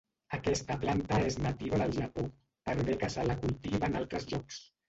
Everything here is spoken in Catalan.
Aquesta planta és nativa del Japó, per bé que se la cultiva en altres llocs.